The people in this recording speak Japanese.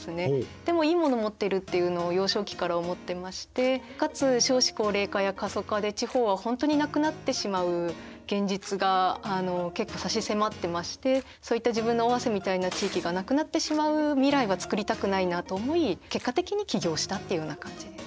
でもいいものを持ってるっていうのを幼少期から思ってましてかつ少子高齢化や過疎化で地方は本当になくなってしまう現実が結構差しせまってましてそういった自分の尾鷲みたいな地域がなくなってしまう未来は作りたくないなと思い結果的に起業したっていうような感じです。